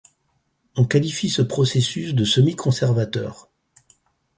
On qualifie ce processus de semi-conservateur.